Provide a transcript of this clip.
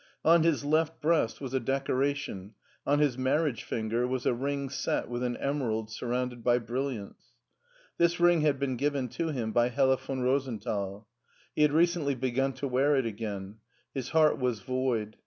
On his left breast was a decoration, on his marriage finger was a ring set with an emerald surrounded by brilliants. This ring had been given to him by Hella von Rosenthal. He had recently begun to wear it again. His heart was void.